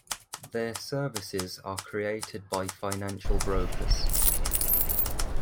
There services are created by financial brokers.